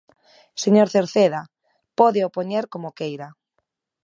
Señor Cerceda, pódeo poñer como queira.